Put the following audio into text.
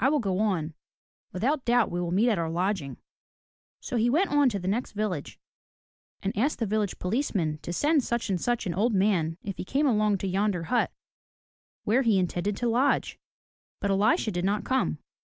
I will go on. Without doubt we will meet at our lodging." So he went on to the next village, and asked the village police man to send such and such an old man if he came along to yonder hut where he intended to lodge. But Elisha did not come.